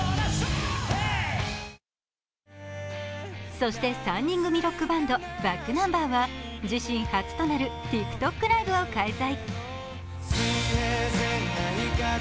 そして３人組ロックバンド、ｂａｃｋｎｕｍｂｅｒは自身初となるＴｉｋＴｏｋライブを開催。